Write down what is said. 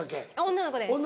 女の子です。